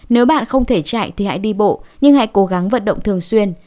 nếu bạn không thể chạy thì hãy đi bộ nhưng hãy cố gắng vận động thường xuyên